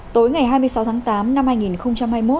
tối ngày hai mươi sáu tháng tám năm hai nghìn hai mươi một